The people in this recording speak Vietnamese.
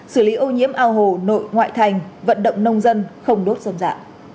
xử lý ô nhiễm ao hồ nội ngoại thành vận động nông dân không đốt dâm dạ